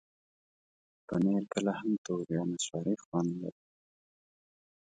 پنېر کله هم تور یا نسواري خوند لري.